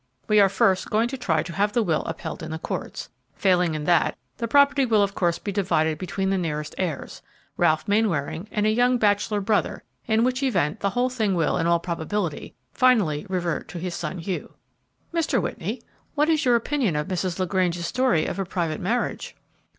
We are first going to try to have the will upheld in the courts. Failing in that, the property will, of course, be divided between the nearest heirs, Ralph Mainwaring and a younger bachelor brother; in which event, the whole thing will, in all probability, finally revert to his son Hugh." "Mr. Whitney, what is your opinion of Mrs. LaGrange's story of a private marriage?"